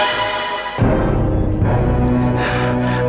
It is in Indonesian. sesuatu di lokasi kejadian itu